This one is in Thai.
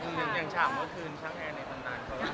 อึงอย่างฉากเมื่อคืนช่างแอลไหนต้านเขาก็